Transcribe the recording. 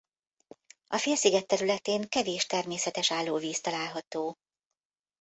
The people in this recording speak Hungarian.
A félsziget területén kevés természetes állóvíz található.